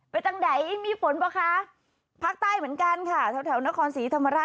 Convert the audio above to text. ไปต่างไหนอีกมีฝนปะคะภาคใต้เหมือนกันค่ะ